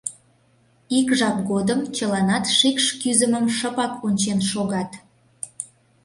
Ик жап годым чыланат шикш кӱзымым шыпак ончен шогат.